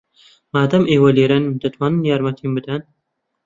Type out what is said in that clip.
مادام ئێوە لێرەن، دەتوانن یارمەتیم بدەن.